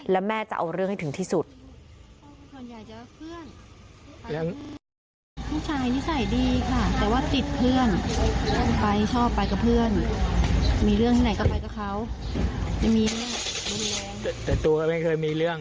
เข้าไปกับเพื่อนมีเรื่องที่ไหนก็ไปกับเขาไม่มีเรื่องแต่ตัวก็ไม่เคยมีเรื่อง